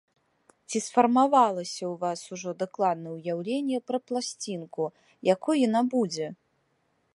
Ці сфармавалася ў вас ужо дакладнае ўяўленне пра пласцінку, якой яна будзе?